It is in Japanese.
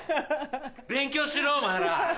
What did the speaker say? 勉強しろお前ら！